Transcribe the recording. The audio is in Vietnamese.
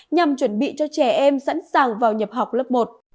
nhằm chuẩn bị cho trẻ em sẵn sàng vào nhập học lớp một